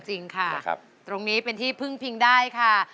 จริงค่ะตรงนี้เป็นที่พึ่งพิงได้ค่ะ